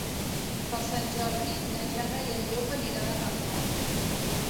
Per Sant Jordi na Jana i en Llop aniran a Rafal.